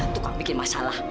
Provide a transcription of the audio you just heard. tukang bikin masalah